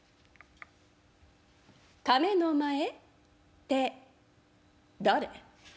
「亀の前？って誰？